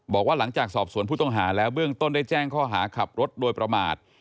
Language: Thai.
บอกว่าหลังจากสอบสวนผู้ต้องหาแล้วเบื้องต้นได้แจ้งข้อหาขับรถโดยประมาท